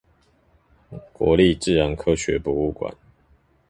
國立自然科學博物館